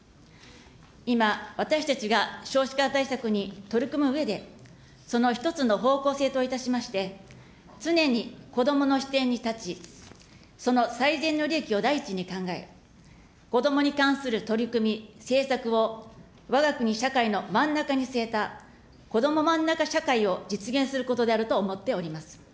今、私たちが少子化対策に取り組むうえで、その１つの方向性といたしまして、常に子どもの視点に立ち、その最善の利益を第一に考え、こどもに関する取り組み、政策をわが国社会の真ん中に据えた、こどもまんなか社会を実現することであると思っております。